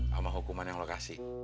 sama hukumannya allah kasih